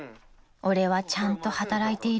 俺はちゃんと働いているよ］